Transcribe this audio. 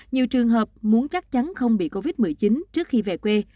nhiều trường hợp muốn chắc chắn không bị covid một mươi chín trước khi về quê